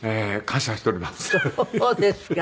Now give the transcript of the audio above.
そうですか。